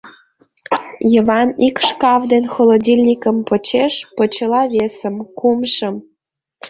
Йыван ик шкаф ден холодильникым почеш, почела весым, кумшым...